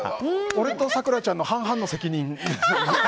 俺と咲楽ちゃんの半々の責任。